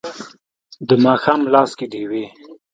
د ماښام لاس کې ډیوې